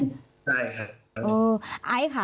ใช่ค่ะ